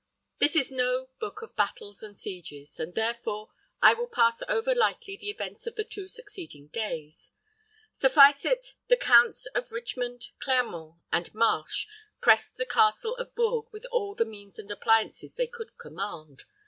This is no hook of battles and sieges, and, therefore, I will pass over lightly the events of the two succeeding days. Suffice it, the counts of Richmond, Clermont, and Marche pressed the Castle of Bourges with all the means and appliances they could command.